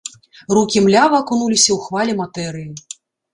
Рукі млява акунуліся ў хвалі матэрыі.